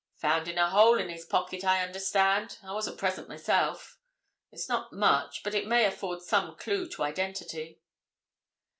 "Found in a hole in his pocket, I understand: I wasn't present myself. It's not much, but it may afford some clue to identity."